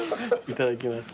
いただきます。